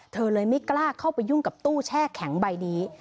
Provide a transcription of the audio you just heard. เธอเลยไม่กล้าเข้าไปยุ่งกับตู้แช่แข็งใบนี้